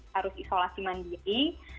harus isolasi mandiri